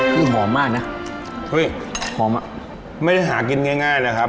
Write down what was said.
คือหอมมากนะเฮ้ยหอมอ่ะไม่ได้หากินง่ายเลยครับ